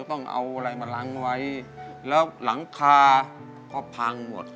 ต้องเอาอะไรมาล้างไว้แล้วหลังคาก็พังหมด